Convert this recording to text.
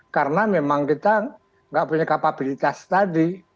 karena memang kita tidak punya kapabilitas tadi